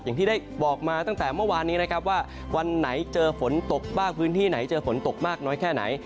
อย่างที่ได้บอกมาตั้งแต่เมื่อวานนี้นะครับว่าวันไหนเจอฝนตกบ้างพื้นที่ไหนเจอฝนตกมากน้อยแค่ไหน